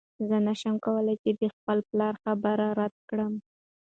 زه نشم کولی چې د خپل پلار خبره رد کړم.